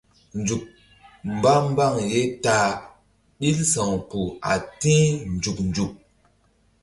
Nzuk mba mbaŋ ye ta a ɓil sa̧w kpuh a ti̧h nzuk nzuk.